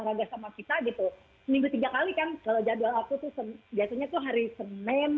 raga sama kita gitu minggu tiga kali kan kalau jadwal aku tuh biasanya tuh hari senin